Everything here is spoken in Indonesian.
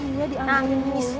iya dianggapnya istri